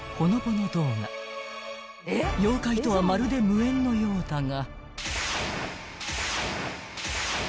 ［妖怪とはまるで無縁のようだが］